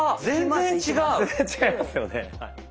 全然違いますよね。